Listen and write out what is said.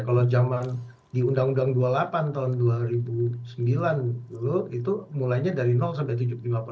kalau zaman di undang undang dua puluh delapan tahun dua ribu sembilan dulu itu mulainya dari sampai tujuh puluh lima persen